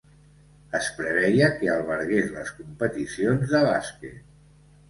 Es preveia que albergués les competicions de bàsquet.